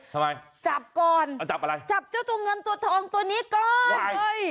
ทำไมจับก่อนจับเจ้าตัวเงินตัวทองตัวนี้ก่อนเฮ้ย